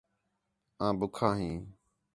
آں ٻُکّھا ہیں